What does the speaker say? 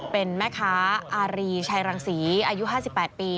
เป็นแม่ค้าอารีชัยรังศรีอายุ๕๘ปี